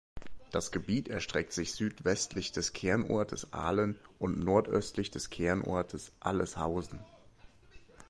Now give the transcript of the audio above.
Das Gebiet erstreckt sich südwestlich des Kernortes Ahlen und nordöstlich des Kernortes Alleshausen.